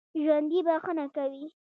ژوندي بښنه کوي